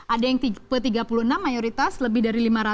ada yang tipe tiga puluh enam mayoritas lebih dari lima ratus